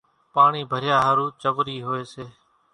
پاڻِي ڀريا ۿارُو چورِي هوئيَ سي۔